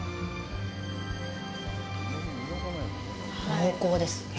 濃厚です。